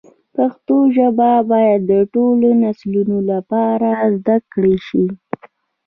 پښتو ژبه باید د ټولو نسلونو لپاره زده کړل شي.